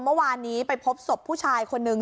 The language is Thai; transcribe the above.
เมื่อวานนี้ไปพบศพผู้ชายคนนึง